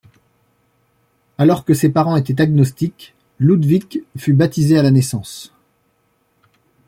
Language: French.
Alors que ses parents étaient agnostiques, Ludwik fut baptisé à la naissance.